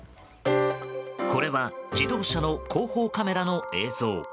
これは自動車の後方カメラの映像。